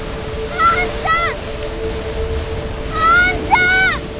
兄ちゃん！